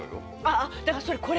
あっだからそれ２３位。